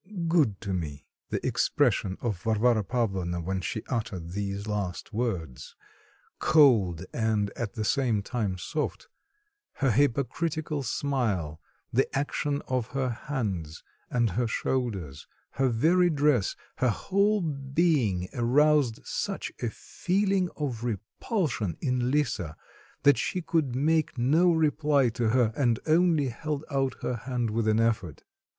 good to me." The expression of Varvara Pavlovna, when she uttered these last words, cold and at the same time soft, her hypocritical smile, the action of her hands, and her shoulders, her very dress, her whole being aroused such a feeling of repulsion in Lisa that she could make no reply to her, and only held out her hand with an effort.